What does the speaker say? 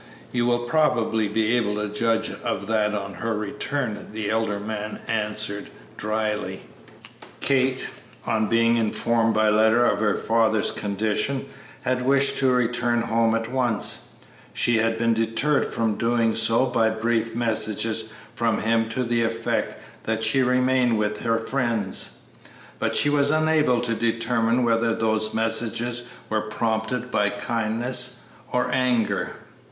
"You will probably be able to judge of that on her return," the elder man answered, dryly. Kate, on being informed by letter of her father's condition, had wished to return home at once. She had been deterred from doing so by brief messages from him to the effect that she remain with her friends, but she was unable to determine whether those messages were prompted by kindness or anger.